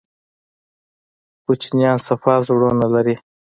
کوچنیان صفا زړونه لري